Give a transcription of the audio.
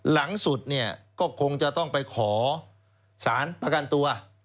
หลังสุดเนี่ยก็คงจะต้องไปขอสารประกันตัว